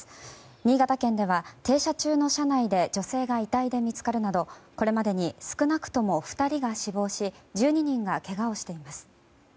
新潟県では、停車中の車内で女性が遺体で見つかるなどこれまでに少なくとも２人が死亡し１２人がけがをしています。